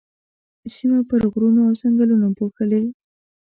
سيمه پر غرونو او ځنګلونو پوښلې.